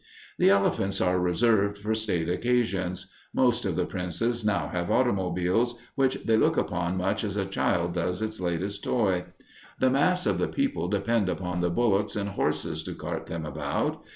The elephants are reserved for state occasions. Most of the princes now have automobiles, which they look upon much as a child does its latest toy. The mass of the people depend upon the bullocks and horses to cart them about.